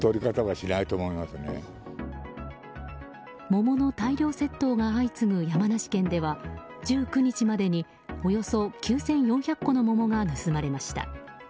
桃の大量窃盗が相次ぐ山梨県では１９日までにおよそ９４００個の桃が盗まれました。